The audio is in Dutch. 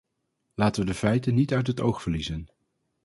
Laten we de feiten niet uit het oog verliezen.